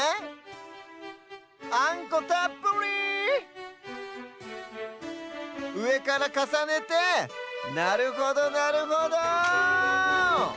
あんこたっぷり！うえからかさねてなるほどなるほど。